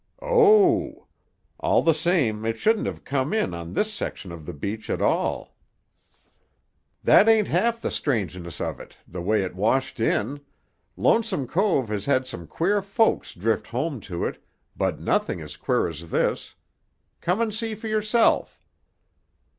"Oh! All the same, it shouldn't have come in on this section of the beach at all." "Thet ain't half the strangeness of it, the way it washed in. Lonesome Cove has had some queer folks drift home to it, but nothing as queer as this. Come and see for yourself."